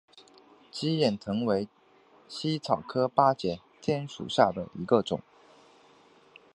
鸡眼藤为茜草科巴戟天属下的一个种。